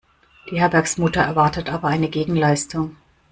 Die Herbergsmutter erwartet aber eine Gegenleistung.